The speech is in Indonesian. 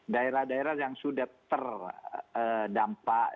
daerah daerah yang sudah terdampak